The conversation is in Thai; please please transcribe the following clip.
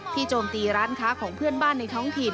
โจมตีร้านค้าของเพื่อนบ้านในท้องถิ่น